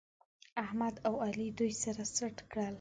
احمد او علي دوی سره سټ کړل